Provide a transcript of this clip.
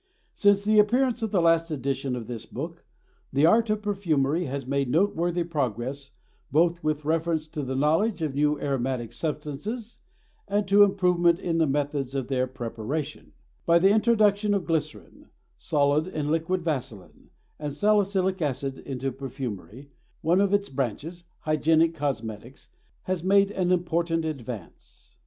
Since the appearance of the last edition of this book, the art of perfumery has made noteworthy progress both with reference to the knowledge of new aromatic substances and to improvement in the methods of their preparation; by the introduction of glycerin, solid and liquid vaselin, and salicylic acid into perfumery, one of its branches—hygienic cosmetics—has made an important advance.